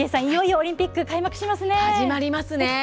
いよいよオリンピック開幕ですね。